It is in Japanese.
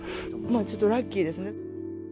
ちょっとラッキーですね。